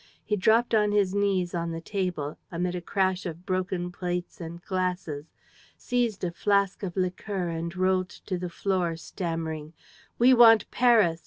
He dropped on his knees on the table, amid a crash of broken plates and glasses, seized a flask of liqueur and rolled to the floor, stammering: "We want Paris.